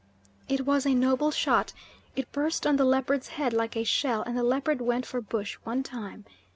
It was a noble shot; it burst on the leopard's head like a shell and the leopard went for bush one time.